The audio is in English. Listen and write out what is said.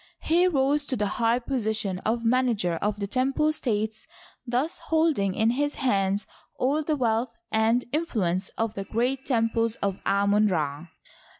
He rose to the high position of manager of the temple estates, thus holding in his hands all the wealth and influence of the great temples of Amon Ra.